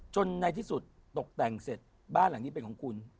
ในที่สุดตกแต่งเสร็จบ้านหลังนี้เป็นของคุณ